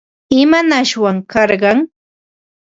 ¿Imanashwan karqan?